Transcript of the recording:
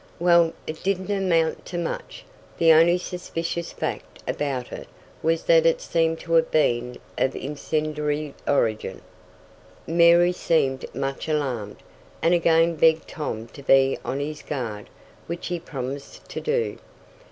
"Well, it didn't amount to much the only suspicious fact about it was that it seemed to have been of incendiary origin." Mary seemed much alarmed, and again begged Tom to be on his guard, which he promised to do.